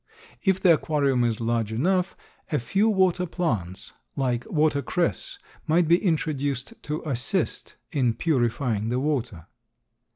If the aquarium is large enough a few water plants like water cress might be introduced to assist in purifying the water.